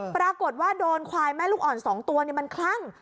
ปรากฏว่าโดนควายแม่ลูกอ่อน๒ตัวมันคลั่ง